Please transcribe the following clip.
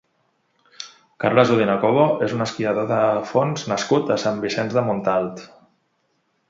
Carles Udina Cobo és un esquiador de fons nascut a Sant Vicenç de Montalt.